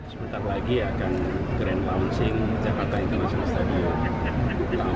sebentar lagi akan grand launching jakarta itu masih di studio